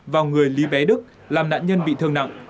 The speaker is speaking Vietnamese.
vào người lý bé đức làm nạn nhân bị thương nặng